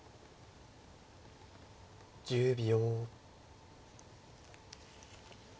１０秒。